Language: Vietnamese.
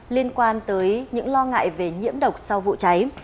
liên quan tới những lo ngại về nhiễm độc sau vụ cháy